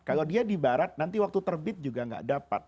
kalau dia di barat nanti waktu terbit juga nggak dapat